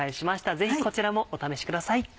ぜひこちらもお試しください。